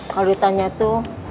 kalau ditanya tuh